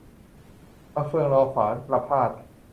'มะเฟืองรอฝาน' ประภาส